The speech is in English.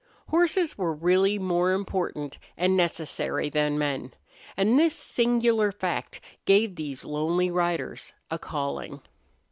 Horses were really more important and necessary than men; and this singular fact gave these lonely riders a calling.